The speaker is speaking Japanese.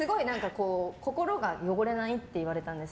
心が汚れないって言われたんです